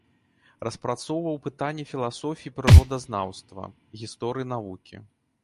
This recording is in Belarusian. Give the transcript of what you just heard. Распрацоўваў пытанні філасофіі прыродазнаўства, гісторыі навукі.